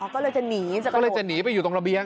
ก็เลยจะหนีก็เลยจะหนีไปอยู่ตรงระเบียง